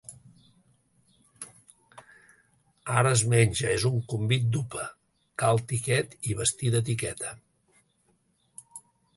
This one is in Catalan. Ara es menja, és un convit d'upa: cal tiquet i vestir d'etiqueta.